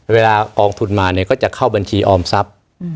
กองทุนมาเนี่ยก็จะเข้าบัญชีออมทรัพย์